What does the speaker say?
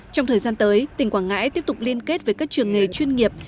trong thời gian tới tỉnh quảng ngãi tiếp tục liên kết với các trường nghề chuyên nghiệp